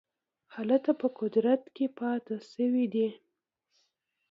هلته په قدرت کې پاته شوي دي.